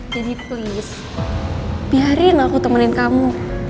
jadi please biarin aku temenin kamu